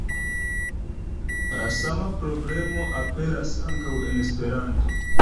La sama problemo aperas ankaŭ en Esperanto.